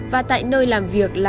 và tại nơi làm việc là bốn mươi chín